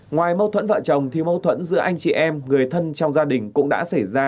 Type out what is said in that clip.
ngoài mâu thuẫn vợ chồng thì mâu thuẫn giữa anh chị em người thân trong gia đình cũng đã xảy ra